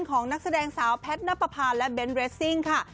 ของนักแสดงสาวแพทย์น้ำประพาและเบ้นเรสซิ่งค่ะ